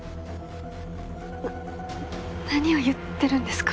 な何を言ってるんですか？